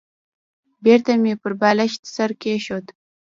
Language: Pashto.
بېرته مې پر بالښت سر کېښود.